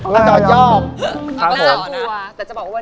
และหลับก๊อนพัชมา